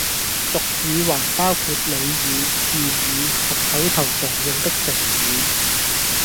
俗語還包括俚語、諺語及口頭常用的成語